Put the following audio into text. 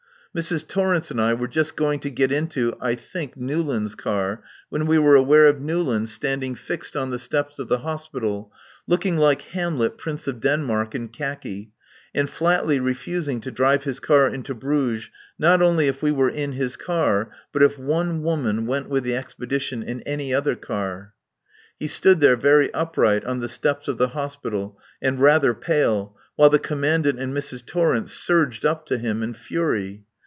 Mrs. Torrence and I were just going to get into (I think) Newlands' car, when we were aware of Newlands standing fixed on the steps of the Hospital, looking like Hamlet, Prince of Denmark, in khaki, and flatly refusing to drive his car into Bruges, not only if we were in his car, but if one woman went with the expedition in any other car. He stood there, very upright, on the steps of the Hospital, and rather pale, while the Commandant and Mrs. Torrence surged up to him in fury.